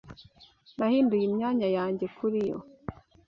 Nahinduye imyanya yanjye kuriyo.